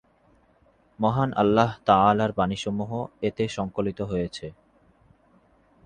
মহান আল্লাহ্-তা‘আলার বাণীসমূহ এতে সংকলিত হয়েছে।